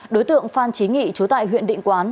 đối tượng phan trí nghị chú tại huyện định quán